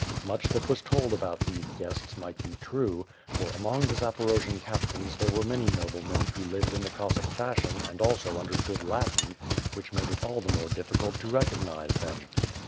Much that was told about these guests might be true; for, among the Zaporojian captains there were many noblemen who lived in the Cossack fashion and also understood Latin, which made it all the more difficult to recognize them.